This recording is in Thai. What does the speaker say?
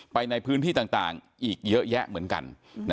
ไปในพื้นที่ต่างอีกเยอะแยะเหมือนกัน